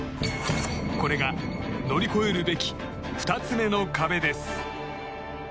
これが乗り越えるべき２つ目の壁です。